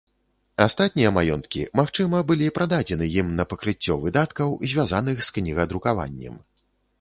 Астатнія маёнткі, магчыма, былі прададзены ім на пакрыццё выдаткаў, звязаных з кнігадрукаваннем.